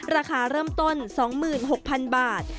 ราคาเริ่มต้น๒๖๐๐๐บาท